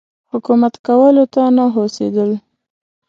حکومت کولو ته نه هوسېدل.